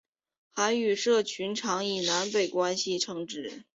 韩语社群常以南北关系称之。